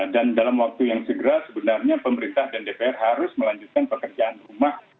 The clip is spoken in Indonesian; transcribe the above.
dan dalam waktu yang segera sebenarnya pemerintah dan dpr harus melanjutkan pekerjaan rumah